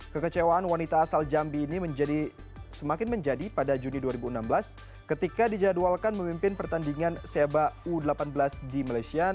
kekecewaan wanita asal jambi ini semakin menjadi pada juni dua ribu enam belas ketika dijadwalkan memimpin pertandingan seba u delapan belas di malaysia